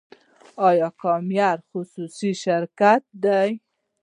آیا کام ایر خصوصي شرکت دی؟